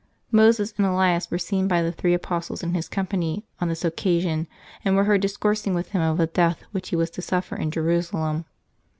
Moses and Elias were seen by the three apostles in His company on this occasion, and were heard discoursing with Him of the death which He was to suffer in Jerusalem.